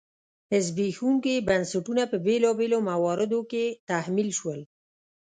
زبېښونکي بنسټونه په بېلابېلو مواردو کې تحمیل شول.